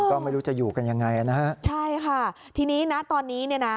ก็ไม่รู้จะอยู่กันยังไงนะฮะใช่ค่ะทีนี้นะตอนนี้เนี่ยนะ